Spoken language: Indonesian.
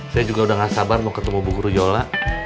saya juga udah gak sabar mau ketemu bu guru yola